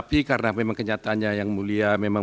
di mana di dalam perkara ini kita justru mencari